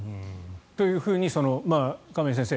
というふうに亀井先生